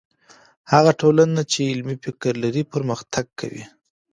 هغه ټولنه چې علمي فکر لري، پرمختګ کوي.